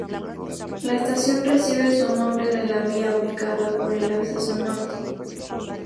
La estación recibe su nombre de la vía ubicada por el acceso norte.